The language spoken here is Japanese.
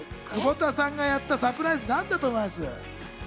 久保田さんがやったサプライズ、何だと思います。